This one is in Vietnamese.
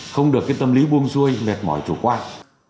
không được cái tâm lý buông xuôi mệt mỏi chủ quan